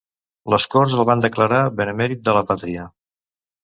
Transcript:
Les corts el van declarar benemèrit de la pàtria.